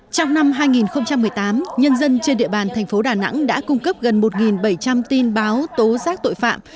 trong năm hai nghìn một mươi tám nhân dân trên địa bàn thành phố đà nẵng đã cung cấp gần một bảy trăm linh tin báo tố giác tội phạm